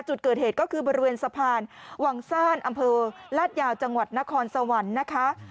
จุดเกิดเหตุก็คือบริเวณสะพานวังซ่านอำเภอลาดยาวจังหวัดนครสวรรค์นะคะ